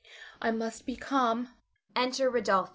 I must be calm. [Enter Rodolpho.